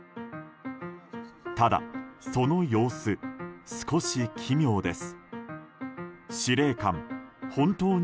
ただ、その様子少し奇妙です。